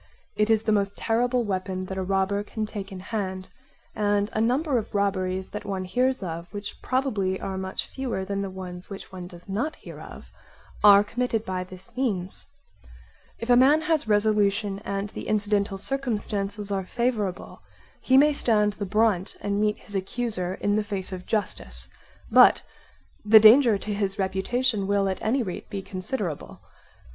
It is the most terrible weapon that a robber can take in hand; and a number of robberies that one hears of, which probably are much fewer than the ones which one does not hear of, are committed by this means. If a man has resolution and the incidental circumstances are favourable, he may stand the brunt and meet his accuser in the face of justice; but the danger to his reputation will at any rate be considerable.